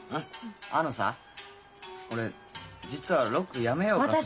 あのさ俺実はロックやめようかと。